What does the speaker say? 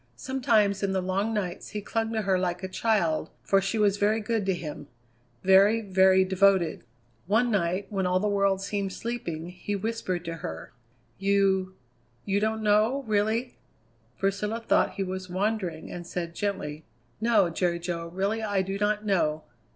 Sometimes in the long nights he clung to her like a child, for she was very good to him; very, very devoted. One night, when all the world seemed sleeping, he whispered to her: "You you don't know, really?" Priscilla thought he was wandering, and said gently: "No, Jerry Jo, really I do not know."